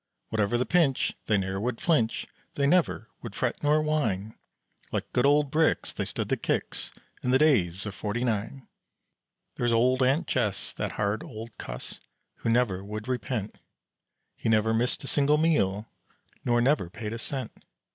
Whatever the pinch, they ne'er would flinch; They never would fret nor whine, Like good old bricks they stood the kicks In the days of Forty Nine. There's old "Aunt Jess," that hard old cuss, Who never would repent; He never missed a single meal, Nor never paid a cent.